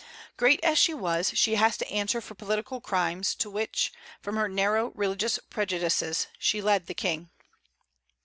Great as she was, she has to answer for political crimes into which, from her narrow religious prejudices, she led the King.